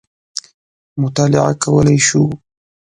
مطالعه کولای شو.